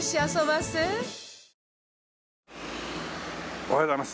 おはようございます。